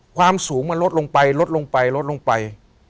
ความสูงมันลดลงไปลดลงไปลดลงไป